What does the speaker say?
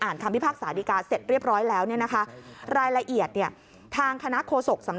อ่านคำพิพากษาสารดีการ์เสร็จเรียบร้อยแล้วเนี่ยนะคะ